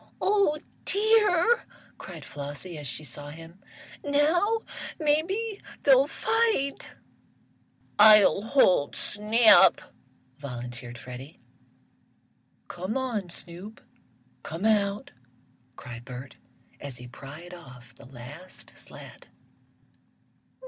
"Oh dear!" cried Flossie as she saw him, "now maybe they'll fight!" "I'll hold Snap," volunteered Freddie. "Come on, Snoop! Come out!" cried Bert, as he pried off the last slat.